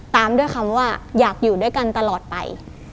ตามด้วยคำว่าอยากอยู่ด้วยกันตลอดไป